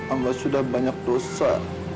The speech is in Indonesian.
amba sudah banyak dosa